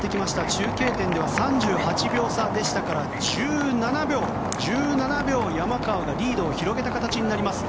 中継点では３８秒差でしたから１７秒、山川がリードを広げた形になります。